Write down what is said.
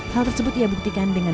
hal tersebut ia buktikan dengan